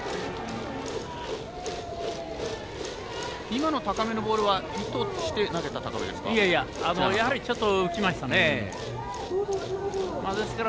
今の高めのボールは意図して投げましたか？